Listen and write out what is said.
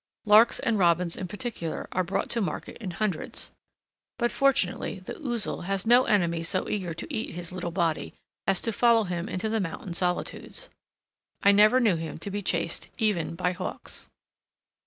Larks and robins in particular are brought to market in hundreds. But fortunately the Ouzel has no enemy so eager to eat his little body as to follow him into the mountain solitudes. I never knew him to be chased even by hawks.